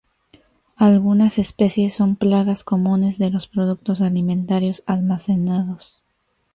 Algunas especies son plagas comunes de los productos alimentarios almacenados.